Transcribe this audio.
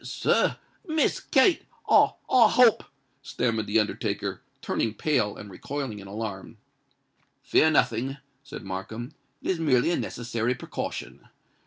"Sir—Miss Kate—I—I hope——" stammered the undertaker, turning pale, and recoiling in alarm. "Fear nothing," said Markham: "it is merely a necessary precaution.